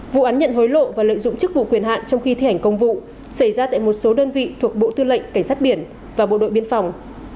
vụ án nhận hối lộ và lợi dụng chức vụ quyền hạn trong khi thi hành công vụ xảy ra tại một số đơn vị thuộc bộ tư lệnh cảnh sát biển và bộ đội biên phòng